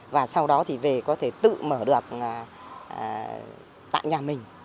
và sau đó thì về có thể tự mở được tại nhà mình